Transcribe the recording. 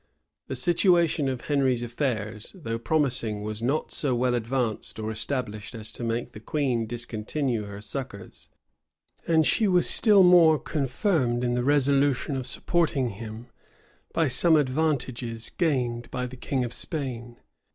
} The situation of Henry's affairs, though promising, was not so well advanced or established as to make the queen discontinue her succors; and she was still more confirmed in the resolution of supporting him, by some advantages gained by the king of Spain.